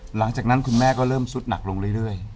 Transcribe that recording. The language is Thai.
หลังจากนั้นคุณแม่ก็เริ่มสุดหนักลงเรื่อย